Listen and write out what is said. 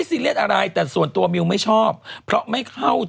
ไฮโซนี่จริงแล้วต้องเกิดมาในตระกูล